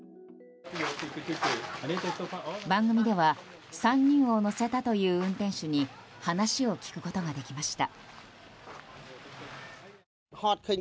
番組では３人を乗せたという運転手に話を聞くことができました。